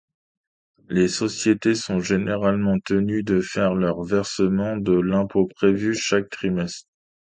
Les sociétés sont généralement tenues de faire leurs versements de l'impôt prévu chaque trimestre.